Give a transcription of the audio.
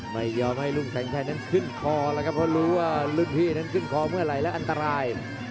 ไม่ยอมให้ลุงแสงชัยนั้นขึ้นคอแล้วครับเพราะรู้ว่ารุ่นพี่นั้นขึ้นคอเมื่อไหร่และอันตราย